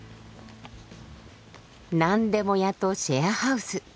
何でも屋とシェアハウス。